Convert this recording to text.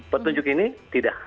petunjuk ini tidak